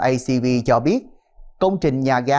acv cho biết công trình nhà gà